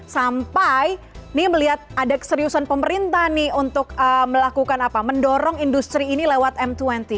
sampai ini melihat ada keseriusan pemerintah nih untuk melakukan apa mendorong industri ini lewat m dua puluh